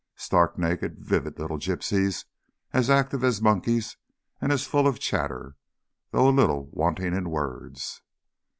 Stark naked vivid little gipsies, as active as monkeys and as full of chatter, though a little wanting in words.